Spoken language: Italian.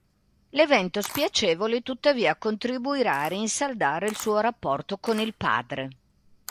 L'evento spiacevole tuttavia contribuirà a rinsaldare il suo rapporto con il padre.